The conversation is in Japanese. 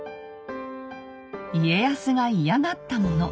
家康が嫌がったもの。